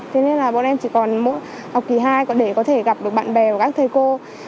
thế nên là bọn em chỉ còn mỗi học kỳ hai để có thể gặp được bạn bè và các thầy cô